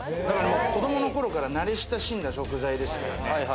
だから子供の頃から慣れ親しんだ食材ですからね。